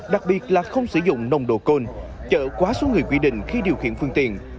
đặc biệt là không sử dụng nồng độ côn chở quá số người quy định khi điều khiển phương tiện